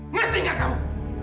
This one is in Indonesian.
ngerti gak kamu